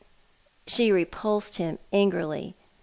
She repulsed him angrily.